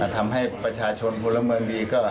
ทำให้ประชาชนพลเมืองดีก็